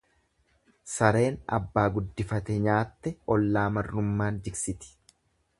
Sareen abbaa guddifate nyaatte ollaa marrummaan jigsiti.